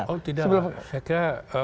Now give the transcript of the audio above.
oh tidak saya kira